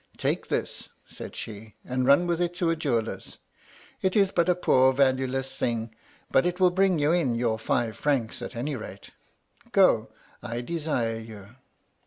* Take this,' said she, * and run with it to a jeweller's. It is but a poor, valueless thing, but it will bring you in your five francs at any rate. Go ! I desire you.'